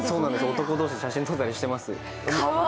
男同士、写真撮ったりしてますよ。